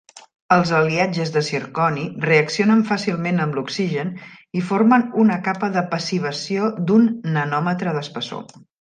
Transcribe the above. Els aliatges de zirconi reaccionen fàcilment amb l'oxigen i formen una capa de passivació d'un nanòmetre d'espessor.